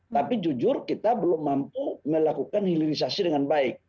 tapi jujur kita belum mampu melakukan hilirisasi dengan baik